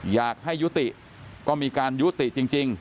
อยากให้ยุติก็มีการยุติจริง